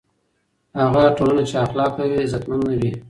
هغه ټولنه چې اخلاق لري، عزتمنه وي.